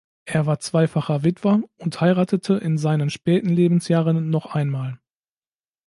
Er war zweifacher Witwer und heiratete in seinen späten Lebensjahren noch einmal.